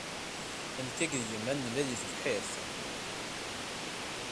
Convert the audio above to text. Nekk akked yemma nella deg tebḥirt.